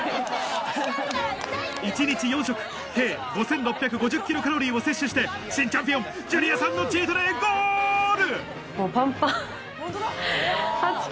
１日４食計５６５０ｋｃａｌを摂取して新チャンピオンジュリアさんのチートデイゴール！